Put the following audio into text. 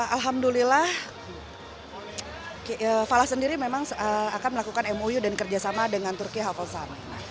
alhamdulillah falas sendiri memang akan melakukan mou dan kerjasama dengan turki hafal sun